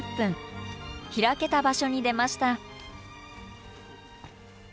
開けた場所に出ました。